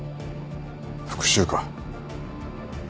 復讐か？